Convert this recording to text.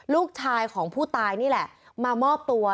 ลูกชายของผู้ตายนี่แหละมามอบตัว